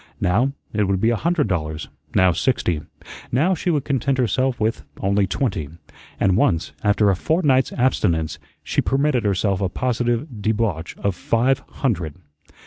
Now it would be a hundred dollars, now sixty; now she would content herself with only twenty; and once, after a fortnight's abstinence, she permitted herself a positive debauch of five hundred.